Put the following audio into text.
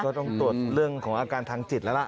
ก็ต้องตรวจเรื่องของอาการทางจิตแล้วล่ะ